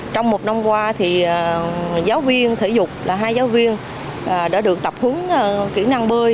trong một năm qua giáo viên thể dục là hai giáo viên đã được tập huấn kỹ năng bơi